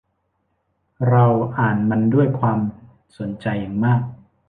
เราอ่านมันด้วยความสนใจอย่างมาก